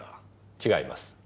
違います。